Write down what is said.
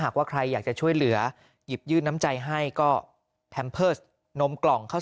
หากว่าใครอยากจะช่วยเหลือหยิบยื่นน้ำใจให้ก็นมกล่องเข้า